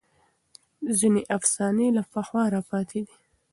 ځینې افسانې له پخوا راپاتې دي.